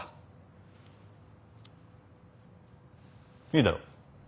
いいだろ？